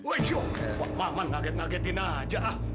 woi joe pak paman ngaget ngagetin aja ah